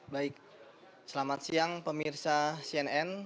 baik selamat siang pemirsa cnn